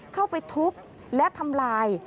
เข้าไปทุบและทำลาย